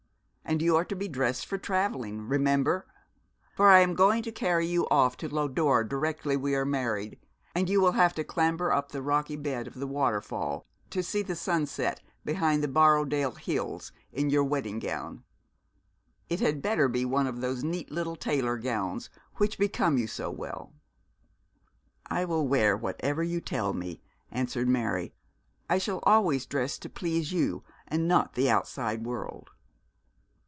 And you are to be dressed for travelling, remember; for I am going to carry you off to Lodore directly we are married, and you will have to clamber up the rocky bed of the waterfall to see the sun set behind the Borrowdale hills in your wedding gown. It had better be one of those neat little tailor gowns which become you so well.' 'I will wear whatever you tell me,' answered Mary. 'I shall always dress to please you, and not the outside world.'